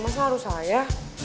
masa harus salah ya